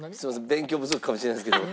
勉強不足かもしれないんですけど。